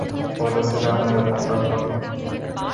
বলেছিলাম, এরকমটা ঘটবে!